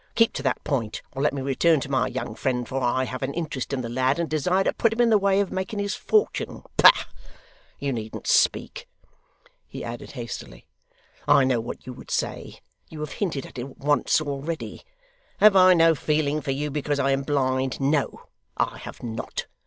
Keep to that point, or let me return to my young friend, for I have an interest in the lad, and desire to put him in the way of making his fortune. Bah! you needn't speak,' he added hastily; 'I know what you would say: you have hinted at it once already. Have I no feeling for you, because I am blind? No, I have not.